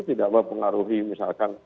tidak mempengaruhi misalkan